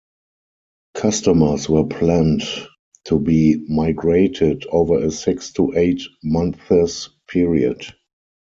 Customers were planned to be migrated over a six to eight months period.